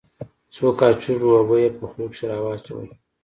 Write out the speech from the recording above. څو کاشوغه اوبه يې په خوله کښې راواچولې.